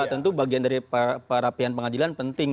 tentu bagian dari perapian pengadilan penting